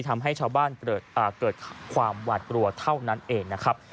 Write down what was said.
ทำให้ชาวบ้านเกิดความหวาดกลัวเท่านั้นเองนะครับ